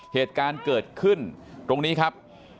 เหตุการณ์เกิดขึ้นตรงนี้ครับ